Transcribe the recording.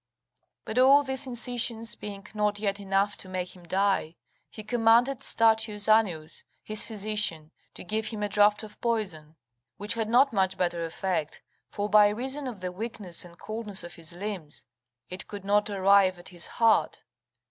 But all these incisions being not yet enough to make him die, he commanded Statius Anneus, his physician, to give him a draught of poison, which had not much better effect; for by reason of the weakness and coldness of his limbs, it could not arrive at his heart.